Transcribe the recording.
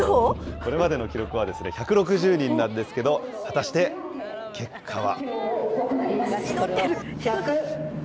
これまでの記録は１６０人なんですけど、果たして結果は。